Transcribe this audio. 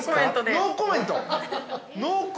◆ノーコメント！